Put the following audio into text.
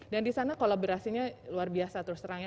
dan di sana kolaborasinya luar biasa terus terang ya